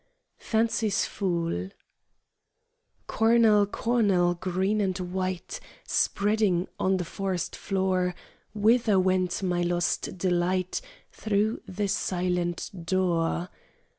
Fancy's Fool "Cornel, cornel, green and white, Spreading on the forest floor, Whither went my lost delight Through the silent door?"